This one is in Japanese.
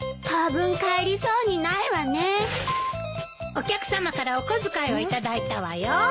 お客さまからお小遣いを頂いたわよ。